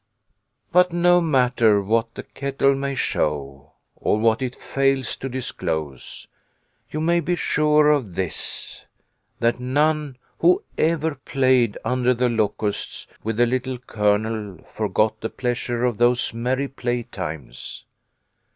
But no matter what the kettle may show, or what it fails to disclose, you may be sure of this, that none who ever played under the Locusts with the Little Colonel forgot the pleasure of those merry playtimes.